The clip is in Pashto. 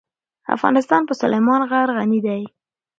افغانستان په سلیمان غر غني دی.